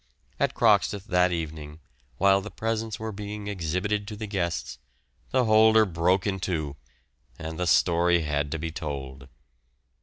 At Croxteth that evening, while the presents were being exhibited to the guests, the holder broke in two, and the story had to be told.